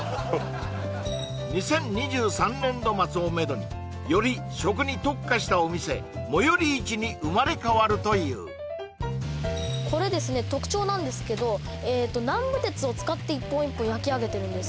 ２０２３年度末をめどにより食に特化したお店もより市に生まれ変わるというこれですね特徴なんですけど南部鉄を使って一本一本焼き上げてるんです